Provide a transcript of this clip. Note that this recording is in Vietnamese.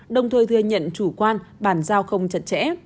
đồng thời thừa nhận chủ quan bàn giao không chặt chẽ